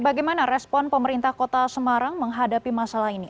bagaimana respon pemerintah kota semarang menghadapi masalah ini